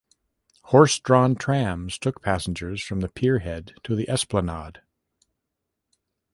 Horse-drawn trams took passengers from the pier head to the esplanade.